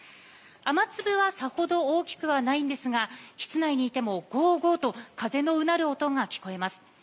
雨粒はさほど大きくはないのですが室内にいても、ゴーゴーと風のうなる音が聞こえます。